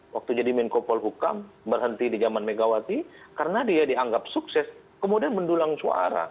waktu jadi menko polhukam berhenti di zaman megawati karena dia dianggap sukses kemudian mendulang suara